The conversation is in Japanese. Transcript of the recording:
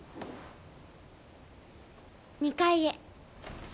２階へ。